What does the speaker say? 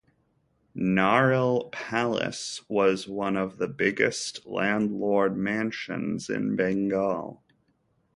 Narail Palace was one of the biggest landlord mansions in Bengal.